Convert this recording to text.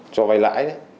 cho vay lãi